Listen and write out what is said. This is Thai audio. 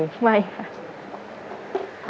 ไม่ค่ะ